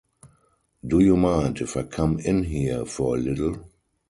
Do you mind if I come in here for a little?